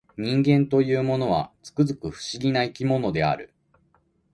人間というものは、つくづく不思議な生き物である